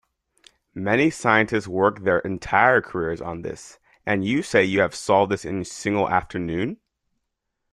Many scientists work their entire careers on this, and you say you have solved this in a single afternoon?